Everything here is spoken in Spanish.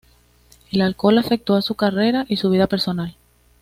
El alcohol afectó a su carrera y a su vida personal.